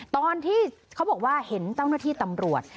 ตอนที่เขาบอกว่าเห็นเจ้าหน้าที่ตำรวจ